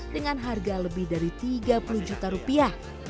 dengan harga lebih dari tiga puluh juta rupiah